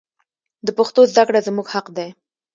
د پښتو زده کړه زموږ حق دی.